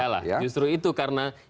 iyalah justru itu karena